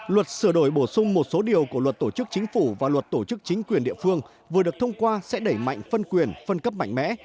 luật sửa đổi bổ sung một số điều của luật tổ chức chính phủ và luật tổ chức chính quyền địa phương vừa được thông qua sẽ đẩy mạnh phân quyền phân cấp mạnh mẽ